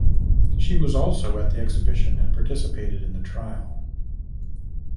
She was also at the exhibition and participated in the trial.